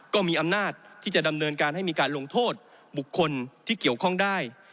ก็มีอำนาจที่จะดำเนินการให้มีการลงโทษบุคคลที่เกี่ยวข้องได้